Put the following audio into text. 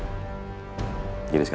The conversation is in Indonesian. tugas aku punya sikap